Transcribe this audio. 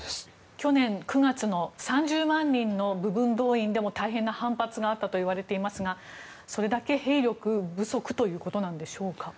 去年９月の３０万人の部分動員でも大変な反発があったといわれていますがそれだけ兵力不足ということなんでしょうか。